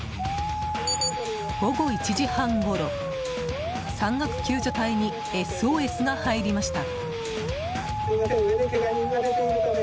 午後１時半ごろ山岳救助隊にＳＯＳが入りました。